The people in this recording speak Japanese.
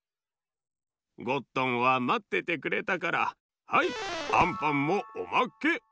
ゴットンはまっててくれたからはいアンパンもおまけ。